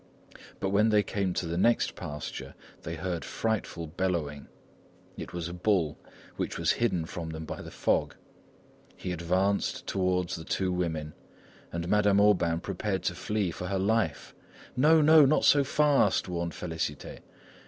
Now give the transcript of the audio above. But when they came to the next pasture, they heard frightful bellowing. It was a bull which was hidden from them by the fog. He advanced towards the two women, and Madame Aubain prepared to flee for her life. "No, no! not so fast," warned Félicité.